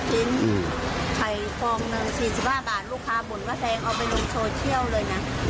กินไข่ฟองหนึ่ง๔๕บาทลูกค้าบ่นว่าแซงเอาไปลงโซเชียลเลยนะ